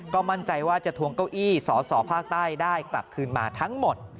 ก็มั่นใจว่าจะทวงเก้าอี้สอสอภาคใต้ได้กลับคืนมาทั้งหมด